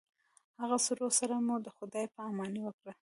هغه سړو سره مو د خداے په اماني وکړه